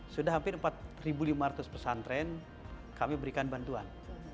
sudah hampir empat lima ratus pesantren kami berikan bantuan